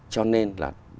cho nên là